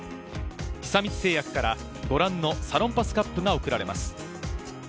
久光製薬からご覧のサロンパスカップが贈られます。